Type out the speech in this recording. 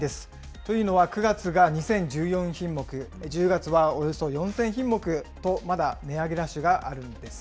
というのは９月が２０１４品目、１０月はおよそ４０００品目と、まだ値上げラッシュがあるんです。